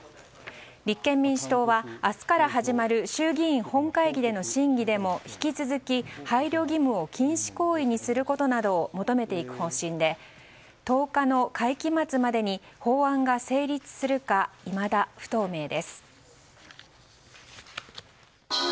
立憲民主党は明日から始まる衆議院本会議での審議でも引き続き配慮義務を禁止行為にすることなどを求めていく方針で１０日の会期末までに法案が成立するかいまだ不透明です。